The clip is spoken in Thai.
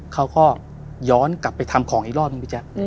เขาก็ย้อนกลับไปทำของอีกรอบหนึ่งพี่แจ๊ค